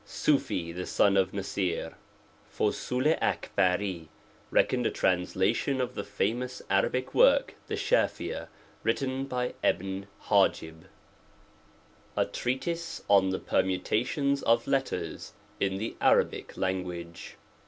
SUFFEE the son. of N.u SI/ i Reckoned a translation of the fa mous Arabic work the Shafwa> written by HIJIB. A TREATISE ON THE PERMUTATIONS OF LETTERS IN THE ARABIC LANGUAGE.